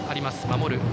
守る